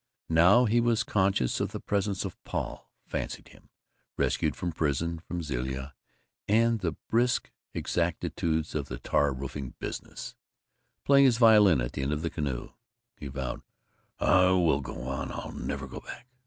Now he was conscious of the presence of Paul, fancied him (rescued from prison, from Zilla and the brisk exactitudes of the tar roofing business) playing his violin at the end of the canoe. He vowed, "I will go on! I'll never go back!